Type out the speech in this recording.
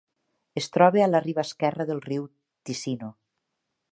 Es troba a la riba esquerra del riu Ticino.